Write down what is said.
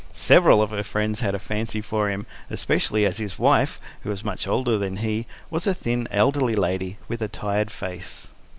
Several of her friends had a fancy for him, especially as his wife, who was much older than he, was a thin, elderly lady with a tired face.